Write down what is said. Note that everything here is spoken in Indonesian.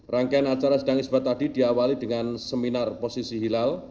rangkaian acara sidang isbat tadi diawali dengan seminar posisi hilal